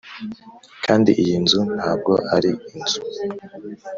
kandi iyi nzu ntabwo ari inzu